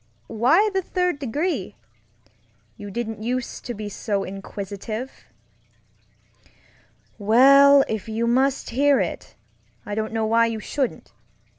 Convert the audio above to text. Why the third degree? You didn't use to be so inquisitive. Well, if you must hear it, I don't know why you shouldn't.